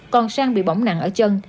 còn sang bị bỏng nặng ở chân